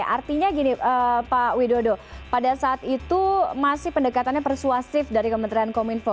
artinya gini pak widodo pada saat itu masih pendekatannya persuasif dari kementerian kominfo